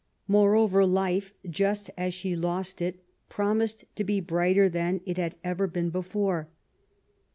Moreover, life, just as she lost it, promised to be brighter than it had ever been before.